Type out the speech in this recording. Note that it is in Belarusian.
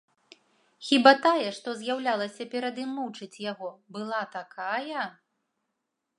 Хіба тая, што з'яўлялася перад ім мучыць яго, была такая?